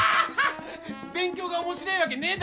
勉強が面白えわけねえだろバーカ！